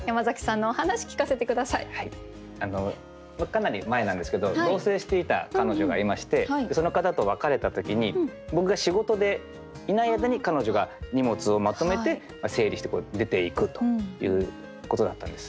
かなり前なんですけど同棲していた彼女がいましてその方と別れた時に僕が仕事でいない間に彼女が荷物をまとめて整理して出て行くということだったんです。